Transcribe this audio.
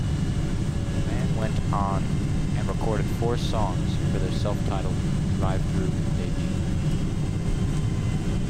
The band went on and recorded four songs for their self-titled Drive-Thru debut.